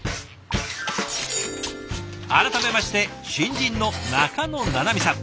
改めまして新人の仲野七海さん。